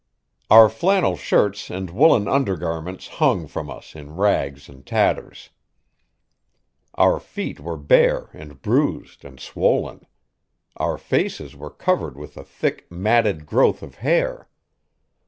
Our flannel shirts and woolen undergarments hung from us in rags and tatters. Our feet were bare and bruised and swollen. Our faces were covered with a thick, matted growth of hair.